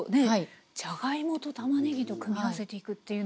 じゃがいもとたまねぎと組み合わせていくというのが。